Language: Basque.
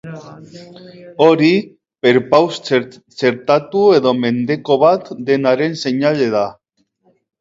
Hori, perpaus txertatu edo mendeko bat denaren seinale da.